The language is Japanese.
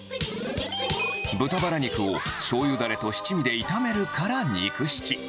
豚バラ肉をしょうゆだれと七味で炒めるからニクシチ。